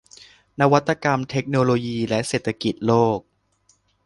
นวัตกรรม เทคโนโลยี และเศรษฐกิจโลก